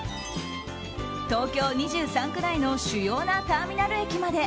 東京２３区内の主要なターミナル駅まで